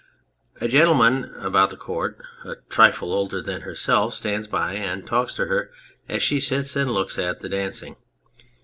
A gentleman about the Court, a trifle older than herself, stands by and talks to her as she sits and looks at the dancing.